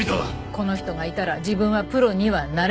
この人がいたら自分はプロにはなれない。